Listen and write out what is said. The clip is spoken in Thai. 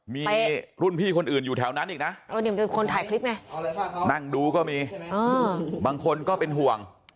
มีรุ่นพี่คนอื่นอยู่แถวนั้นอีกนะคนถ่ายคลิปไงนั่งดูก็มีบางคนก็เป็นห่วง